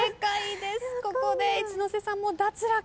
ここで一ノ瀬さんも脱落。